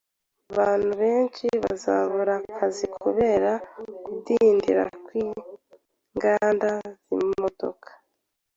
Abantu benshi bazabura akazi kubera kudindira kwinganda zimodoka